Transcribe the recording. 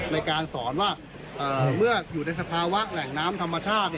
ในการสอนว่าเมื่ออยู่ในสภาวะแหล่งน้ำธรรมชาติ